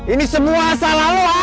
ini semua salah lo al